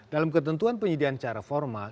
dalam ketentuan penyediaan cara formal